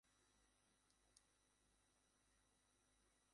একজন শিল্পী যেকোনো মাধ্যমে তৈরি সর্বোচ্চ তিনটি শিল্পকর্ম জমা দিতে পারবেন।